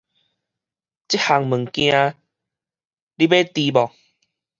這項物件你欲挃無？